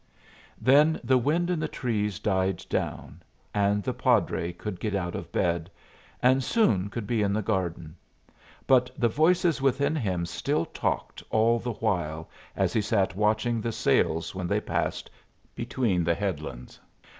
Then the wind in the trees died down, and the padre could get out of bed, and soon could be in the garden. But the voices within him still talked all the while as he sat watching the sails when they passed between the headlands.